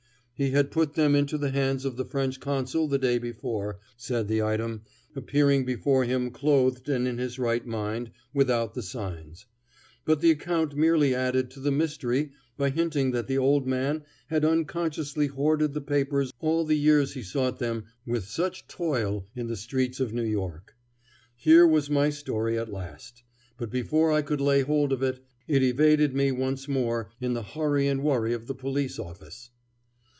He had put them into the hands of the French consul the day before, said the item, appearing before him clothed and in his right mind, without the signs. But the account merely added to the mystery by hinting that the old man had unconsciously hoarded the papers all the years he sought them with such toil in the streets of New York. Here was my story at last; but before I could lay hold of it, it evaded me once more in the hurry and worry of the police office.